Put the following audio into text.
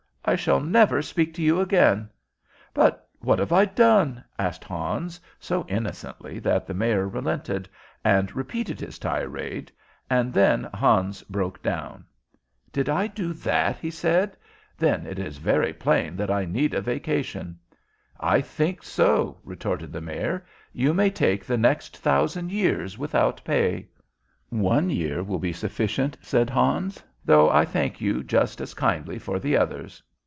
I shall never speak to you again." "But what have I done?" asked Hans, so innocently that the Mayor relented and repeated his tirade, and then Hans broke down. "Did I do that?" he said. "Then it is very plain that I need a vacation." "I think so," retorted the Mayor. "You may take the next thousand years without pay." "One year will be sufficient," said Hans. "Though I thank you just as kindly for the others."